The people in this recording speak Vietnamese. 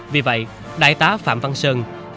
vì vậy đại tá phạm văn sơn